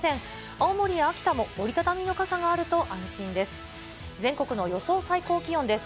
青森や秋田も折り畳みの傘があると安心です。